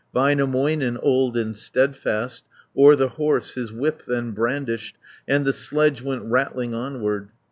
Väinämöinen, old and steadfast, O'er the horse his whip then brandished, And the sledge went rattling onward.